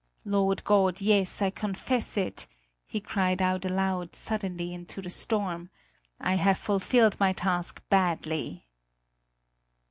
"Lord God, yes, I confess it," he cried out aloud suddenly into the storm: "I have fulfilled my task badly."